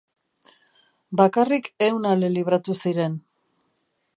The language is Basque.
Bakarrik ehun ale libratu ziren.